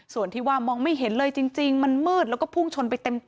ส่วนที่ว่ามองไม่เห็นเลยจริงมันมืดแล้วก็พุ่งชนไปเต็ม